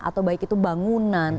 atau baik itu bangunan